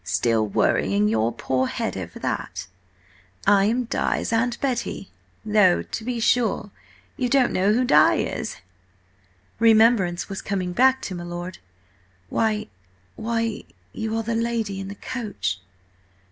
"Still worrying your poor head over that? I am Di's Aunt Betty–though, to be sure, you don't know who Di is!" Remembrance was coming back to my lord. "Why–why–you are the lady in the coach!